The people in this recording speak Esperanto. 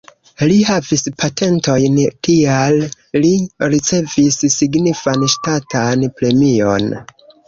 Li havis patentojn, tial li ricevis signifan ŝtatan premion.